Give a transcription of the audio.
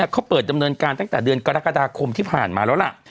เขาเปิดดำเนินการตั้งแต่เดือนกรกฎาคมที่ผ่านมาแล้วล่ะ